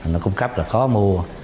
nó cung cấp là có mua